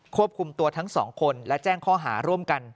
ควบคุมตัวทั้งสองคนและแจ้งข้อหาร่วมกัน